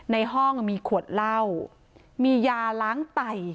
ในห้องมีขวดเหล้ามียาล้างไต